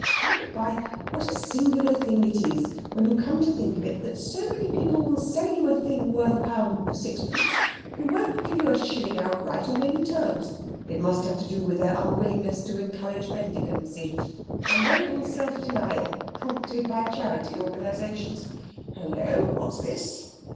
By the bye ... what a singular thing it is, when you come to think of it, that so many people will sell you a thing worth a pound for sixpence, who won't give you a shilling outright on any terms! It must have to do with their unwillingness to encourage mendicancy. A noble self denial, prompted by charity organizations! Hullo! what's this?